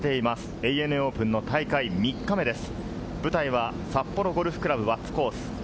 ＡＮＡオープンの大会３日目です。